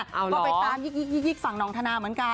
ก็ไปตามยิกฝั่งน้องธนาเหมือนกัน